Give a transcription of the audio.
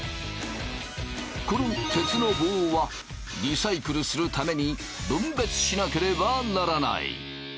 この鉄の棒はリサイクルするために分別しなければならない。